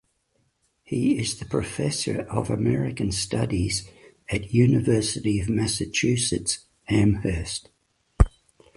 He is the professor of American studies at University of Massachusetts Amherst.